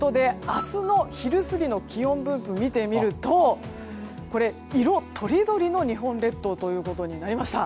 明日の昼過ぎの気温分布を見てみると色とりどりの日本列島ということになりました。